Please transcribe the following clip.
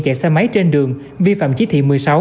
chạy xe máy trên đường vi phạm chỉ thị một mươi sáu